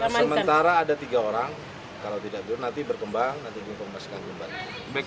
sementara ada tiga orang kalau tidak dulu nanti berkembang nanti dipermasakan